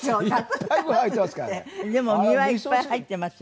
でも身はいっぱい入ってますよね。